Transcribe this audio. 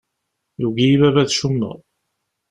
Yugi-iyi baba ad cummeɣ.